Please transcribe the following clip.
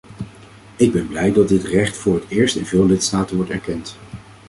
Ik ben blij dat dit recht voor het eerst in veel lidstaten wordt erkend.